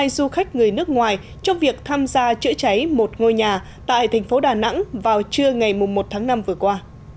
hai du khách người nước ngoài trong việc tham gia chữa cháy một ngôi nhà tại thành phố đà nẵng vào trưa ngày một tháng năm vừa qua